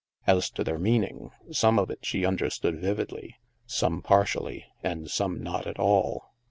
As to their meaning, some of it she understood vividly, some partially, and some not at all.